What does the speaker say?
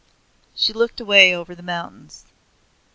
She looked away over the mountains.